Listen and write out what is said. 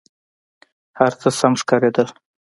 هر څه سم ښکارېدل.